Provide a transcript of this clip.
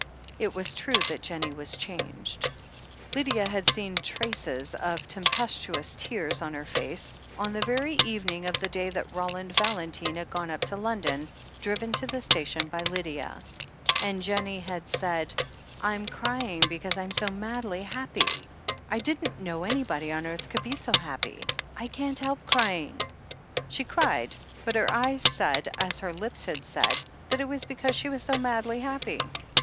It was true that Jennie was changed. Lydia had seen traces of tempestuous tears on her face, on the very evening of the day that Roland Val entine had gone up to London, driven to the station by Lydia. And Jennie had said: "I'm crying because I'm so madly happy — I didn't know anybody on earth could be so happy. I can't help crying " She cried, but her eyes said, as her lips had said, that it was because she was so madly happy.